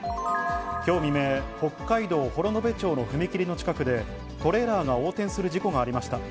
きょう未明、北海道幌延町の踏切の近くで、トレーラーが横転する事故がありました。